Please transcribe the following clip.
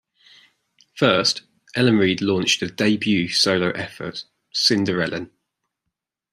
First, Ellen Reid launched her debut solo effort, "Cinderellen".